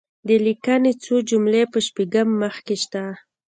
د لیکني څو جملې په شپږم مخ کې شته.